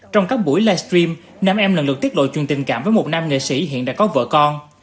trong các buổi livestream nam em lần lượt tiết lộ truyền tình cảm với một nam nghệ sĩ hiện đã có vợ con